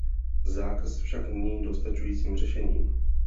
Zákaz však není dostačujícím řešením.